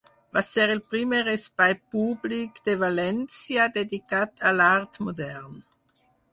Va ser el primer espai públic de València dedicat a l'art modern.